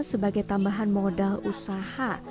sebagai tambahan modal usaha